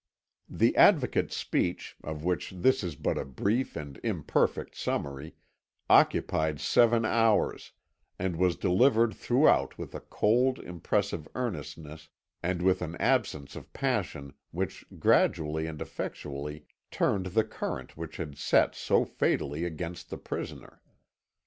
The Advocate's speech, of which this is but a brief and imperfect summary, occupied seven hours, and was delivered throughout with a cold impressive earnestness and with an absence of passion which gradually and effectually turned the current which had set so fatally against the prisoner.